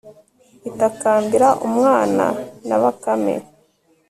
itakambira umwana na bakame